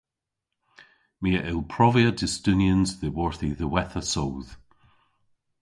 My a yll provia dustunians dhyworth y dhiwettha soodh.